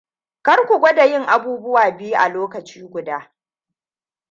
Karku gwada yin abubuwa biyu a lokaci guda.